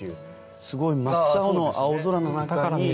すごい真っ青の青空の中に。